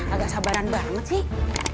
agak sabaran banget sih